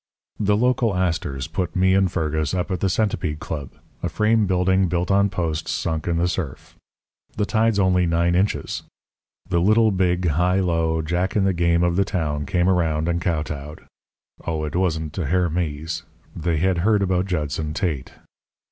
"The local Astors put me and Fergus up at the Centipede Club, a frame building built on posts sunk in the surf. The tide's only nine inches. The Little Big High Low Jack in the game of the town came around and kowtowed. Oh, it wasn't to Herr Mees. They had heard about Judson Tate.